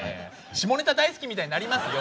「下ネタ大好き」みたいになりますよ。